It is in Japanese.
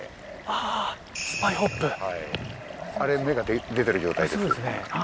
あれ目が出てる状態です。